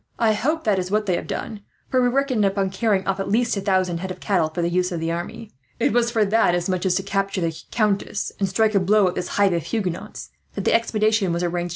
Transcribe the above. "I hope that is what they have done, for we reckoned upon carrying off at least a thousand head of cattle, for the use of the army. It was for that, as much as to capture the countess and strike a blow at this hive of Huguenots, that the expedition was arranged.